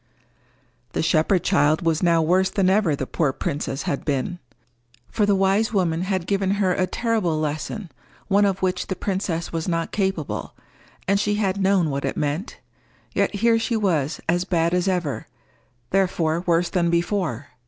The shepherd child was now worse than ever the poor princess had been. For the wise woman had given her a terrible lesson one of which the princess was not capable, and she had known what it meant; yet here she was as bad as ever, therefore worse than before.